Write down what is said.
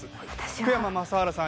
福山雅治さん